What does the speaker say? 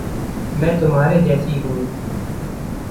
मैं तुम्हारे जैसी हूँ।